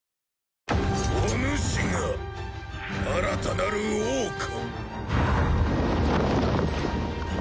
おぬしが新たなる王か？